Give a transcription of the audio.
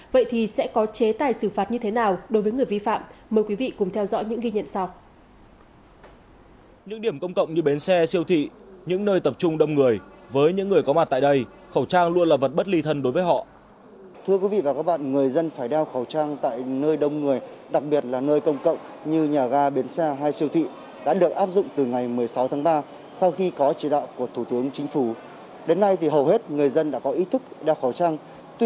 vậy thì sẽ có chế tài xử phạt như thế nào đối với người vi phạm mời quý vị cùng theo dõi những ghi nhận sau